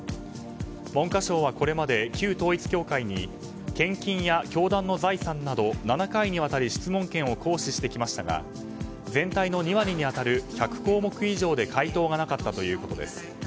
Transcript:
文科省はこれまで旧統一教会に献金や教団の財産など７回にわたり、質問権を行使してきましたが全体の２割に当たる１００項目以上で回答がなかったということです。